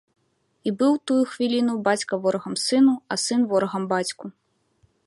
І быў у тую хвіліну бацька ворагам сыну, а сын ворагам бацьку.